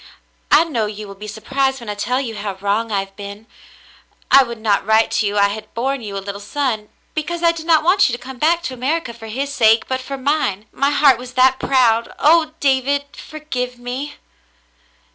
I know you will be surprised when I tell you how wrong I have been. I would not write you I had borne you a little son, because I did not want you to come back to America for his sake, but for mine. My heart was that proud. Oh ! David, for give me."